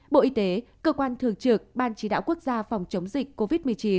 bộ y tế cơ quan thường trực ban chỉ đạo quốc gia phòng chống dịch covid một mươi chín